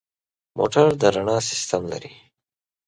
موټر د رڼا سیستم لري.